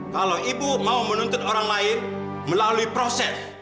kalau ibu mau menuntut orang lain melalui proses